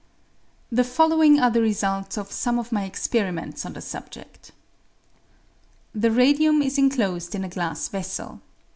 The following are the results of some of my experiments on the subjed ;— The radium is enclosed in a glass ves:el.